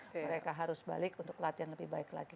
mereka harus balik untuk latihan lebih baik lagi